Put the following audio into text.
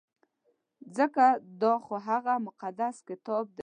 ځکه دا خو هغه مقدس کتاب دی.